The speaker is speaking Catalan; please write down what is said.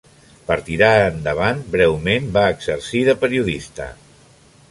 Per tirar endavant, breument va exercir de periodista.